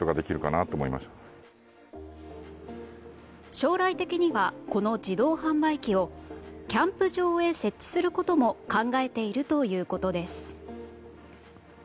将来的にはこの自動販売機をキャンプ場へ設置することも考えているということです。